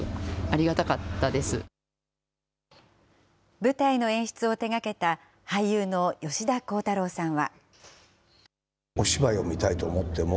舞台の演出を手がけた俳優の吉田鋼太郎さんは。